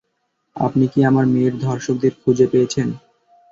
আপনি কি আমার মেয়ের ধর্ষকদের খুঁজে পেয়েছেন?